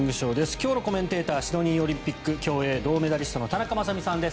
今日のコメンテーターシドニーオリンピック競泳銅メダリストの田中雅美さんです。